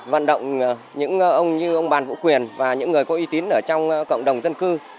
vận động những ông như ông bàn vũ quyền và những người có uy tín ở trong cộng đồng dân cư